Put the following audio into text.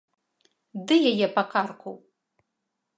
Ды яе па карку.